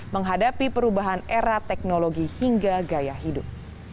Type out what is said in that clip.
menghadapi perubahan era teknologi hingga gaya hidup